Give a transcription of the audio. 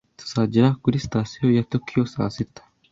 Tuzagera kuri Sitasiyo ya Tokiyo saa sita.